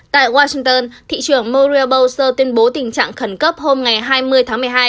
tại washington thị trưởng maria bowser tuyên bố tình trạng khẩn cấp hôm hai mươi tháng một mươi hai